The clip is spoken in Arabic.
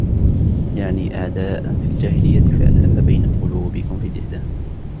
يَعْنِي أَعْدَاءً فِي الْجَاهِلِيَّةِ فَأَلَّفَ بَيْنَ قُلُوبِكُمْ بِالْإِسْلَامِ